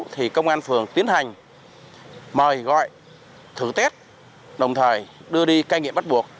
thường tiến hành mời gọi thử test đồng thời đưa đi ca nghiệm bắt buộc